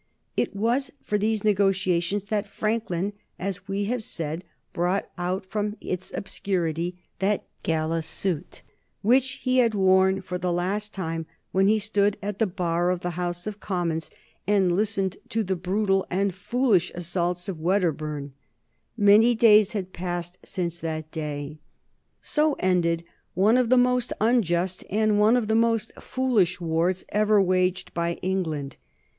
It was for these negotiations that Franklin, as we have said, brought out from its obscurity that gala suit which he had worn for the last time when he stood at the bar of the House of Commons and listened to the brutal and foolish assaults of Wedderburn. Many days had passed since that day. So ended one of the most unjust and one of the most foolish wars ever waged by England.